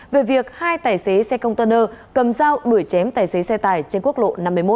về việc hai tài xế xe container cầm dao đuổi chém tài xế xe tải trên quốc lộ năm mươi một